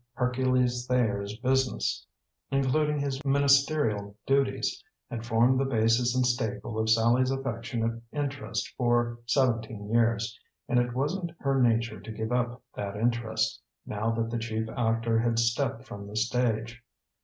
Hercules Thayer's business, including his ministerial duties, had formed the basis and staple of Sallie's affectionate interest for seventeen years, and it wasn't her nature to give up that interest, now that the chief actor had stepped from the stage.